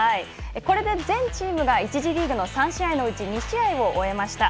これで全チームが１次リーグの３試合のうち２試合を終えました。